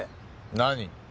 何？